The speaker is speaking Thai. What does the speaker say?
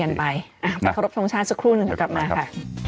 ค่ะอ๋อเริ่มเริ่มคดีกันไปอ่ะพระขอบคุณชาติสักครู่หนึ่งกับกลับมาค่ะ